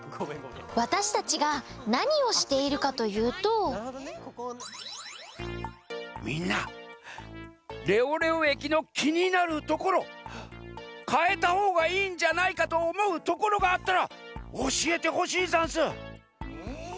わたしたちがなにをしているかというとみんなレオレオえきのきになるところかえたほうがいいんじゃないかとおもうところがあったらおしえてほしいざんす。え？